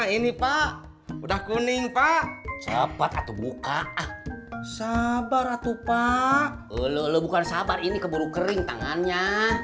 ini pak udah kuning pak cepat atau buka sabar atuh pak lu bukan sabar ini keburu kering tangannya